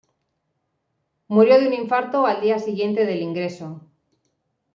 Murió de un infarto al día siguiente del ingreso.